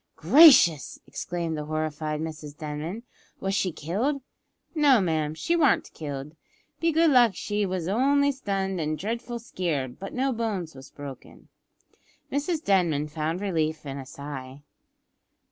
"Gracious!" exclaimed the horrified Mrs Denman, "was she killed?" "No, ma'am, she warn't killed. Be good luck they was only stunned an' dreadful skeared, but no bones was broken." Mrs Denman found relief in a sigh.